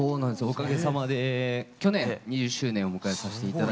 おかげさまで去年２０周年を迎えさして頂いたんですけど。